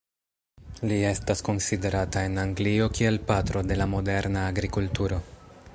Li estas konsiderata en Anglio kiel "patro" de la moderna agrikulturo.